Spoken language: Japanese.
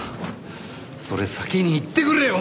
それ先に言ってくれよ！